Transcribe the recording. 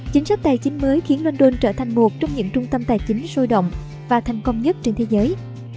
chính sách tài chính mới khiến london trở thành một trong những trung tâm tài chính sôi động và thành công nhất trên thế giới